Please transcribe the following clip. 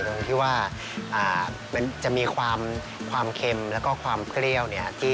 ตรงที่ว่ามันจะมีความเค็มแล้วก็ความเปรี้ยวเนี่ย